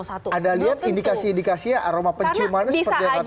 ada lihat indikasi indikasinya aroma penciumannya seperti yang rata mas topo tadi